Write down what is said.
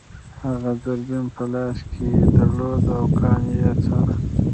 هغه دوربین په لاس کې درلود او کان یې څاره